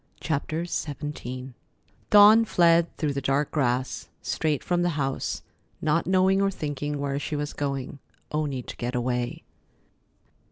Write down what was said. CHAPTER XVII Dawn fled through the dark grass, straight from the house, not knowing or thinking where she was going, only to get away.